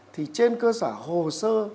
thì trên cơ sở hồ sơ